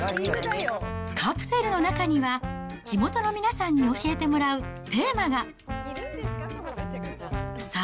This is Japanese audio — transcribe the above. カプセルの中には、地元の皆さんに教えてもらうテーマが。